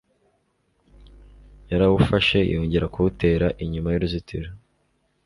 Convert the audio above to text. yarawufashe yongera kuwutera inyuma y'uruzitiro.